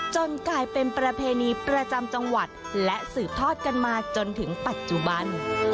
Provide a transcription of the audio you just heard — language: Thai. กลายเป็นประเพณีประจำจังหวัดและสืบทอดกันมาจนถึงปัจจุบัน